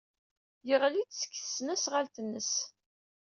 Yeɣli-d seg tesnasɣalt-nnes.